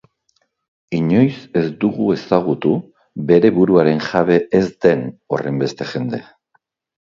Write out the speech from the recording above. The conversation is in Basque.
Inoiz ez dugu ezagutu bere buruaren jabe ez den horrenbeste jende.